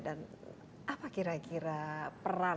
dan apa kira kira peran dari keperluan